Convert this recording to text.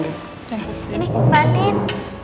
ini mbak andin